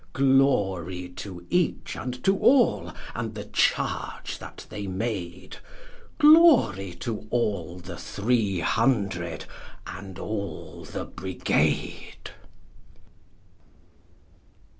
V. Glory to each and to all, and the charge that they made ! Glory to all the three hundred, and all the Brigade